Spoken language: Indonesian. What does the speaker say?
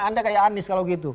anda kayak anies kalau gitu